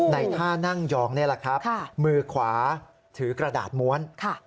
ท่านั่งยองนี่แหละครับมือขวาถือกระดาษม้วน